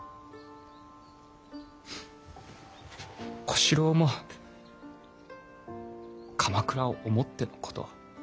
小四郎も鎌倉を思ってのこと。